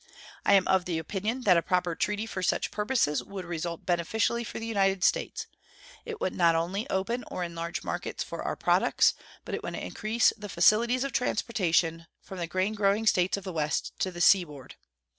I am of the opinion that a proper treaty for such purposes would result beneficially for the United States. It would not only open or enlarge markets for our products, but it would increase the facilities of transportation from the grain growing States of the West to the seaboard.